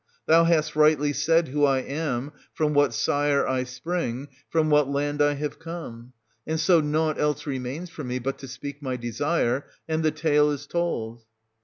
Thou hast rightly said who I am, from what sire I spring, from what land I have come ; and so nought else remains for me but to speak my desire, — and the tale is told.